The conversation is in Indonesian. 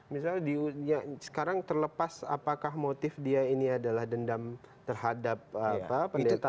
misalnya sekarang terlepas apakah motif dia ini adalah dendam terhadap pendeta